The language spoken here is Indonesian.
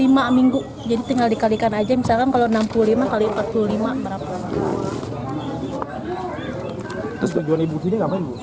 itu ada empat puluh lima minggu jadi tinggal dikalikan aja misalnya kalau enam puluh lima kali empat puluh lima berapa